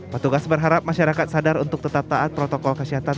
petugas berharap masyarakat sadar untuk tetap taat protokol kesehatan